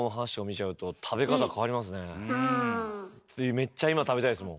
めっちゃ今食べたいですもん。